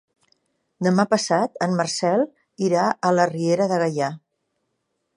Demà passat en Marcel irà a la Riera de Gaià.